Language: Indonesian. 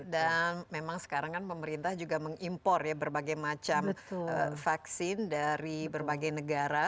memang sekarang kan pemerintah juga mengimpor ya berbagai macam vaksin dari berbagai negara